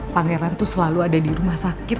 pangeran itu selalu ada di rumah sakit